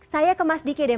saya ke mas diki deh